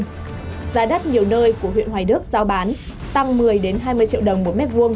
giá đất nhiều nơi của huyện hoài đức